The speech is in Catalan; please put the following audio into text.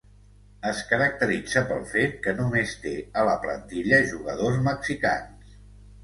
Es caracteritza pel fet que només té a la plantilla jugadors mexicans.